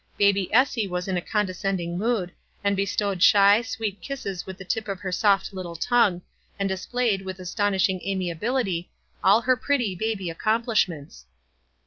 Baby Essie was in a condescending mood, and be stowed shy, sweet kisses with the tip of her soft little tongue, and displayed, with astonishing amiability, all her pretty baby accomplishments.